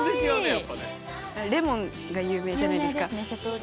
レモンが有名じゃないですか。